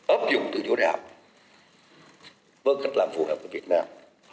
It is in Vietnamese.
ấp dụng tự chủ đại học với cách làm phù hợp với việt nam